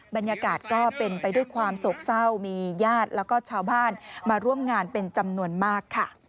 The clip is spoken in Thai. บรรยากาศก็เป็นไปด้วยความโศกเศร้ามีญาติแล้วก็ชาวบ้านมาร่วมงานเป็นจำนวนมากค่ะ